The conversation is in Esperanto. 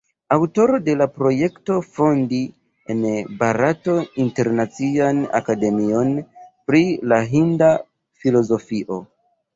Aŭtoro de la projekto fondi en Barato Internacian Akademion pri la Hinda Filozofio.